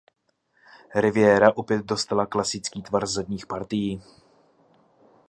Riviera opět dostala klasický tvar zadních partií.